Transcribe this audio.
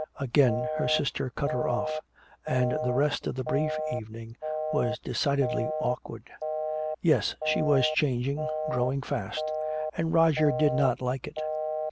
Again her sister cut her off, and the rest of the brief evening was decidedly awkward. Yes, she was changing, growing fast. And Roger did not like it.